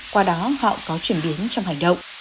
qua đó họ có chuyển biến trong hành động